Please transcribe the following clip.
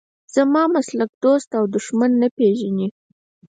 زما مسلک دوست او دښمن نه پېژني.